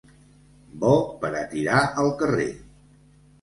Bo per a tirar al carrer.